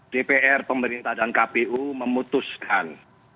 dpr pemerintah dan kpu memutuskan